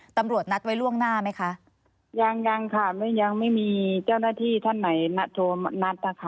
ตำรวจนัดไว้ล่วงหน้าไหมคะยังยังค่ะยังไม่มีเจ้าหน้าที่ท่านไหนโทรมานัดนะคะ